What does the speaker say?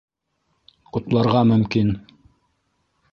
- Ҡотларға мөмкин!